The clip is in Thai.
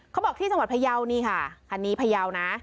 เขาบอกที่จังหวัดพยาวนี่ค่ะคันนี้พยาวนะ